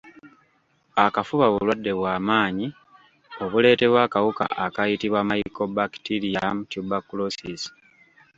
Akafuba bulwadde bwa maanyi obuleetebwa akawuka akayitibwa Mycobacterium Tuberculosis.